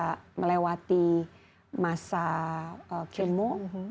untuk bisa melewati masa kemo